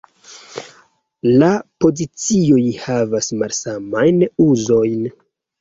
La pozicioj havas malsamajn uzojn.